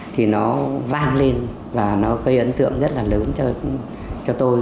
thì nó vang lên và nó gây ấn tượng rất là lớn cho tôi